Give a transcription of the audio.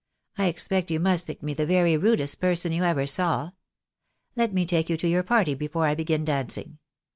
I expect you must think me the very rudest person you ever saw. Let me take you to your party before I begin dancing.